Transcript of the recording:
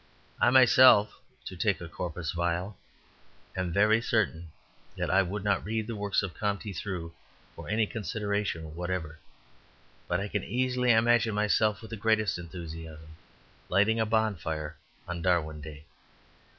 I myself, to take a corpus vile, am very certain that I would not read the works of Comte through for any consideration whatever. But I can easily imagine myself with the greatest enthusiasm lighting a bonfire on Darwin Day.